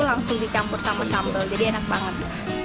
langsung dicampur sama sambal jadi enak banget